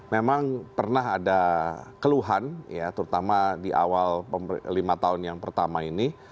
memang pernah ada keluhan ya terutama di awal lima tahun yang pertama ini